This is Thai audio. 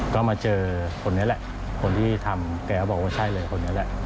ก็มาเจอคนนี้แหละคนที่ทำแกก็บอกว่าใช่เลยคนนี้แหละ